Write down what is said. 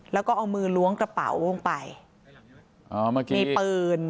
แล้วก็เอามือล้วงกระเป๋าลงไปมีปืน